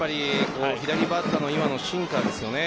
左バッターの今のシンカーですよね。